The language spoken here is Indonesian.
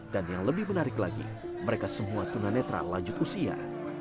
dan yang lebih menarik lagi mereka semua tunanetra lanjut usia